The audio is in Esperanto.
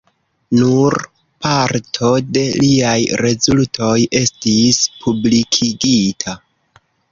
Nur parto de liaj rezultoj estis publikigita.